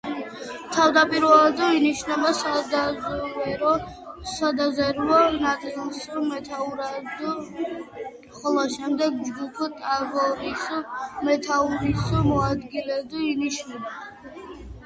თავდაპირველად ინიშნება სადაზვერვო ნაწილს მეთაურად, ხოლო შემდეგ, ჯგუფ „ტაბორის“ მეთაურის მოადგილედ ინიშნება.